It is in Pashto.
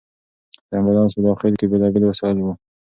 د امبولانس په داخل کې بېلابېل وسایل وو.